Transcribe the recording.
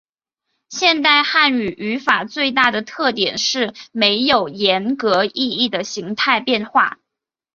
现代汉语语法最大的特点是没有严格意义的形态变化。